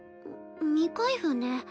未開封ね。